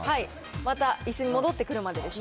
また、いすに戻ってくるまでですね。